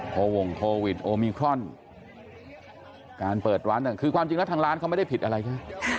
พอวงโควิดโอมิครอนการเปิดร้านคือความจริงแล้วทางร้านเขาไม่ได้ผิดอะไรใช่ไหม